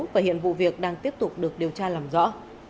và hiện vụ việc đang tiếp tục được điều tra làm rõ